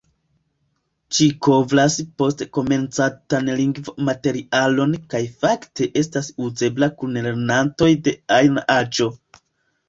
Ĝi kovras post-komencantan lingvo-materialon kaj fakte estas uzebla kun lernantoj de ajna aĝo.